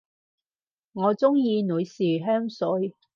我鍾意女士香水